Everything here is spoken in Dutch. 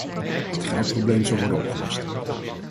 Het geldprobleem zal worden opgelost.